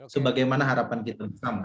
sebagaimana harapan kita bersama